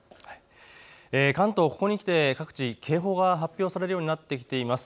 関東、ここにきて各地警報が発表されるようなってきています。